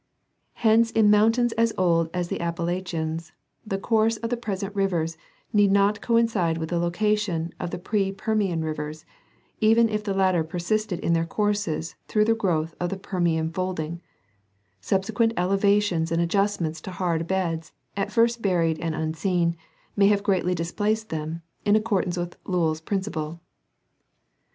Hence in mountains as old as the Appala chians the courses of the present rivers need not coincide with the location of the pre Permian rivers, even if the latter per sisted in their courses through the growth of the Permian fold ing ; subsequent elevations and adjustments to hard beds, at first buried and unseen, may have greatly displaced them, in accord ance with Lowl's principle.